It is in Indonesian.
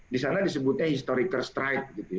di sana disebutnya historical strike